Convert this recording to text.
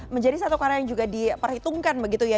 menjadi satu karya yang juga diperhitungkan begitu ya